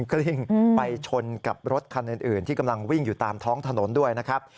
กลิ้งไปชนกับรถคันอื่นที่กำลังวิ่งอยู่ตามท้องถนนด้วยนะครับ